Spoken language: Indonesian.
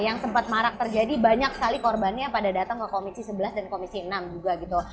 yang sempat marak terjadi banyak sekali korbannya pada datang ke komisi sebelas dan komisi enam juga gitu